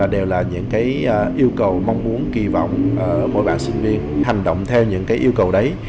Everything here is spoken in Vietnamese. đều là những yêu cầu mong muốn kỳ vọng mỗi bạn sinh viên hành động theo những cái yêu cầu đấy